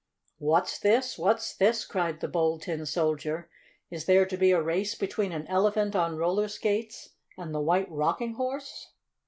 "What's this? What's this?" cried the Bold Tin Soldier. "Is there to be a race between an Elephant on roller skates and the White Rocking Horse?"